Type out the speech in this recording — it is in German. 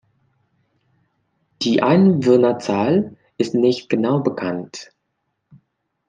Die Einwohnerzahl ist nicht genau bekannt.